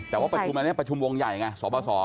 แต่ว่าประชุมอันนี้ประชุมวงใหญ่ไงสบส